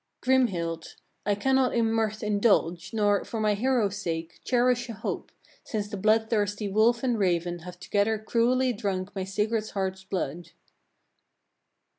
29. "Grimhild! I cannot in mirth indulge, nor, for my hero's sake, cherish a hope, since the bloodthirsty [wolf and] raven have together cruelly drunk my Sigurd's heart's blood."